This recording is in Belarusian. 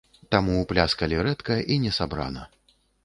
Таму пляскалі рэдка і несабрана.